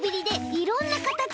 いろんなかたち？